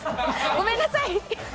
ごめんなさい！